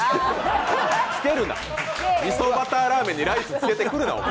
つけるな、みそバターラーメンにライスつけてくるな。